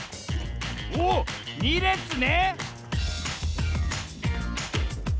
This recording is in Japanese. おっ２れつね！